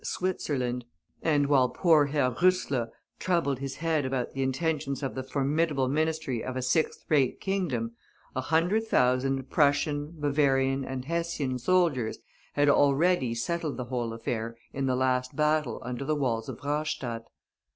Switzerland; and while poor Herr Roesler troubled his head about the intentions of the formidable ministry of a sixth rate kingdom, a hundred thousand Prussian, Bavarian, and Hessian soldiers had already settled the whole affair in the last battle under the walls of Rastatt.